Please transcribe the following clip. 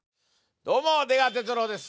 どうも出川哲朗です！